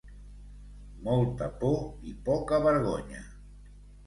Molta por i poca vergonya.